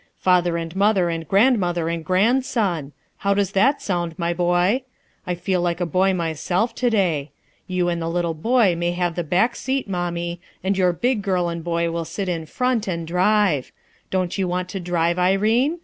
"Father and mother and grandmother and grandson. How does that sound, my boy ? I feel like a boy myself to day. You and the little boy may have the back scat, mommie, and your big girl and boy will sit in front, and drive. Don't you want to drive, Irene?